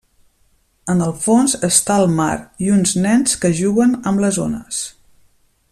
En el fons està el mar i uns nens que juguen amb les ones.